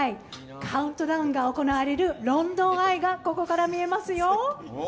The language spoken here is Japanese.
カウントダウンが行われるロンドン・アイがここから見えますよ！